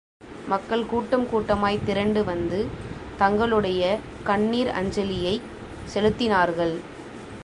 மக்கள் கூட்டம் கூட்டமாய் திரண்டு வந்து தங்களுடைய கண்ணீரஞ்சலியைச் செலுத்தினார்கள்.